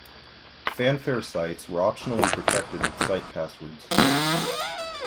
Phanfare sites were optionally protected with site passwords.